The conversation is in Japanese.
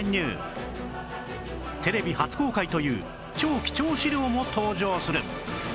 テレビ初公開という超貴重史料も登場する